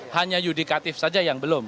hanya yudikatif saja yang belum